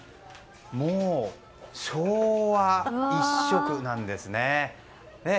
もう昭和一色なんですね。